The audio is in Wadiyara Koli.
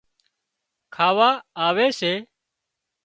کاواآوي سي